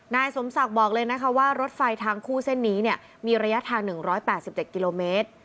นายสมศักดิ์บอกเลยนะคะว่ารถไฟทางคู่เส้นนี้มีระยะทาง๑๘๗กิโลเมตร